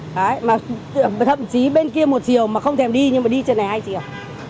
đấy mà thậm chí bên kia một chiều mà không thèm đi nhưng mà đi trên này hai chiều